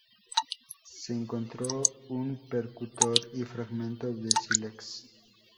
Se encontró un percutor y fragmentos de sílex.